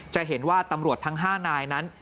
จะเห็นว่าตำรวจทั้ง๕นายนั้น